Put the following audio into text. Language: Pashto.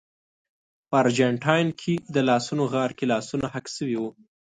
په ارجنټاین کې د لاسونو غار کې لاسونه حک شوي وو.